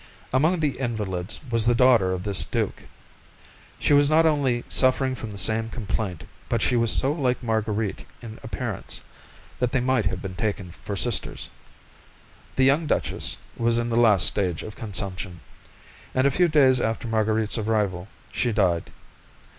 Among the invalids was the daughter of this duke; she was not only suffering from the same complaint, but she was so like Marguerite in appearance that they might have been taken for sisters; the young duchess was in the last stage of consumption, and a few days after Marguerite's arrival she died.